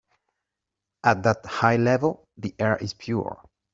At that high level the air is pure.